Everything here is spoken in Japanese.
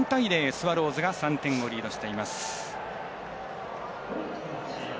スワローズが３点をリードしています。